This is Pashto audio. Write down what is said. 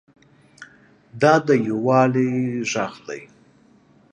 دا د یووالي غږ دی.